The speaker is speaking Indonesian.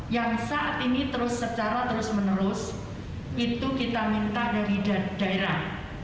yang saat ini terus secara terus menerus itu kita minta dari daerah